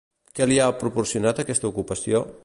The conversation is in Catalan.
Què li ha proporcionat aquesta ocupació?